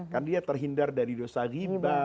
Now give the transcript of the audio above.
karena dia terhindar dari dosa riba